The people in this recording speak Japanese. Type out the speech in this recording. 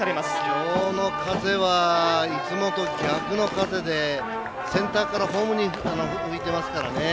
きょうの風はいつもと逆の風でセンターからホームに吹いてますからね。